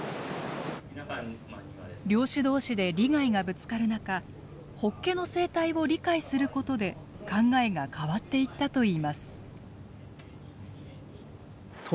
漁師同士で利害がぶつかる中ホッケの生態を理解することで考えが変わっていったといいます。